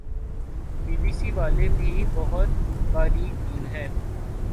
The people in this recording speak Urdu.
بی بی سی والے بھی بہت باریک بین ہیں